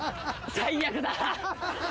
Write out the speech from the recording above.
最悪だ！